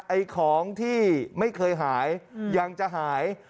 ไอ้ของที่ไม่เคยหายยังจะหาย